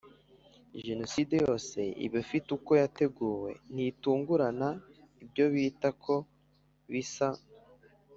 Jenoside yose iba ifite uko yateguwe ntitungurana ibyo bita ko bisa